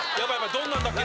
どんなんだっけ？